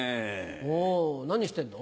おぉ何してんの？